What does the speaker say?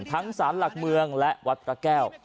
สารหลักเมืองและวัดพระแก้ว